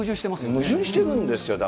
矛盾してるんですよね、